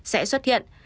sẽ xuất hiện